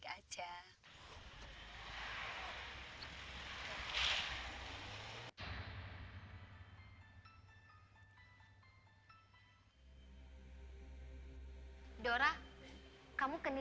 basahlah si orang baru